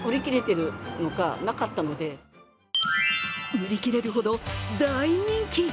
売り切れるほど大人気！